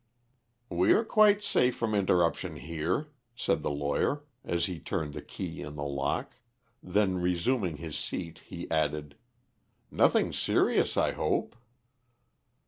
"We are quite safe from interruption here," said the lawyer, as he turned the key in the lock; then resuming his seat he added, "Nothing serious, I hope?"